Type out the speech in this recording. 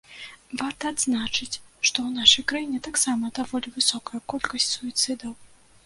Варта адзначыць, што ў нашай краіне таксама даволі высокая колькасць суіцыдаў.